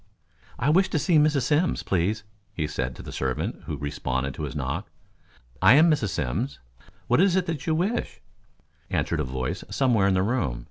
"I wish to see Mrs. Simms, please," he said to the servant, who responded to his knock. "I am Mrs. Simms. What is it you wish?" answered a voice somewhere in the room.